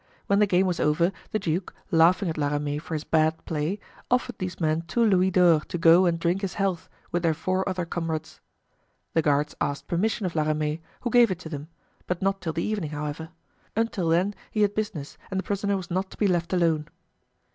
When the game was over, the duke, laughing at La Ramee for his bad play, offered these men two louis d'or to go and drink his health, with their four other comrades. The guards asked permission of La Ramee, who gave it to them, but not till the evening, however; until then he had business and the prisoner was not to be left alone.